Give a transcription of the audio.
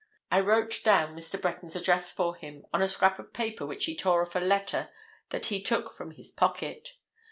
I wrote down Mr. Breton's address for him, on a scrap of paper which he tore off a letter that he took from his pocket.